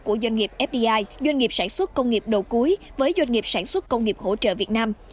của doanh nghiệp fdi doanh nghiệp sản xuất công nghiệp đầu cuối với doanh nghiệp sản xuất công nghiệp hỗ trợ việt nam